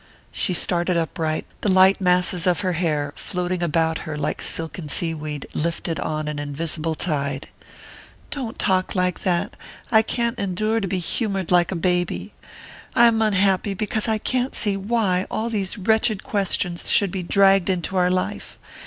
She started upright, the light masses of her hair floating about her like silken sea weed lifted on an invisible tide. "Don't talk like that! I can't endure to be humoured like a baby. I am unhappy because I can't see why all these wretched questions should be dragged into our life.